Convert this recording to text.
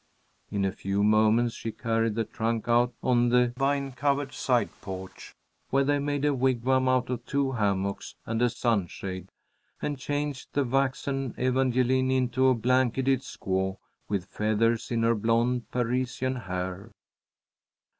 In a few moments she carried the trunk out on to a vine covered side porch, where they made a wigwam out of two hammocks and a sunshade, and changed the waxen Evangeline into a blanketed squaw, with feathers in her blond Parisian hair.